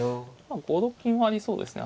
５六銀はありそうですね